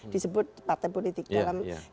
disebut partai politik dalam